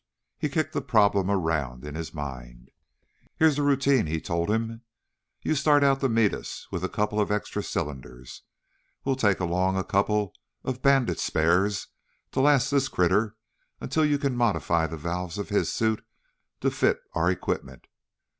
He kicked the problem around in his mind. "Here's the routine," he told him. "You start out to meet us with a couple of extra cylinders. We'll take along a couple of Bandit's spares to last this critter until you can modify the valves on his suit to fit our equipment.